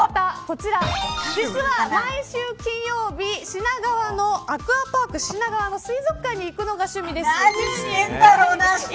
実は毎週金曜日アクアパーク品川の水族館に行くのが趣味です。